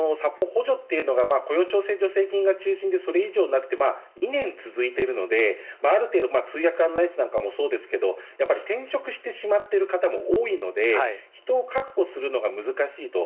補助というのが雇用調整助成金が中心でそれ以上になって２年続いているのである程度そうですが転職してしまう方も多いので人を確保することが難しいと。